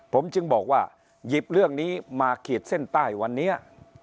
ผมจึงบอกว่าหยิบเรื่องนี้มาขีดเส้นใต้วันนี้